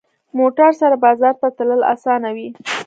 موټر سره بازار ته تلل اسانه وي.